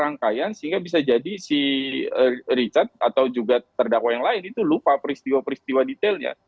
rangkaian sehingga bisa jadi si richard atau juga terdakwa yang lain itu lupa peristiwa peristiwa detailnya